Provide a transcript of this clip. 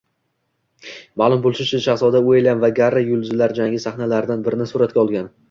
Ma’lum bo‘lishicha, shahzoda Uilyam va Garri Yulduzlar jangi sahnalaridan birini suratga tushgan